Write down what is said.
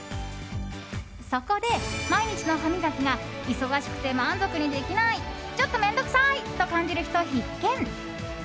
そこで、毎日の歯磨きが忙しくて満足にできないちょっと面倒くさいと感じる人必見！